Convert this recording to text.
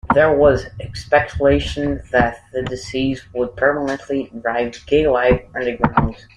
There was speculation that the disease would permanently drive gay life underground.